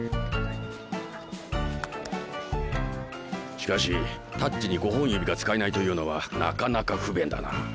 しかしタッチに５本指が使えないというのはなかなか不便だな。